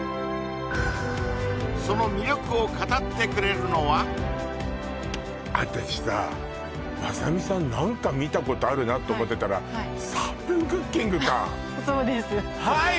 その魅力を語ってくれるのは私さまさみさん何か見たことあるなと思ってたらそうですはい